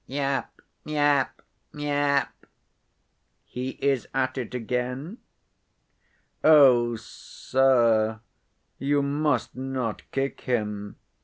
Yap, yap, yap!—"He is at it again." "Oh, sir, you must not kick him.